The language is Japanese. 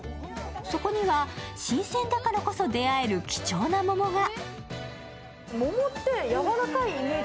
そこには新鮮だからこそ出会える貴重な桃が。